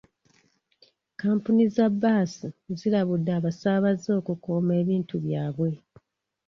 Kampuni za bbaasi zirabuladde abasaabaze okukuuma ebintu byabwe.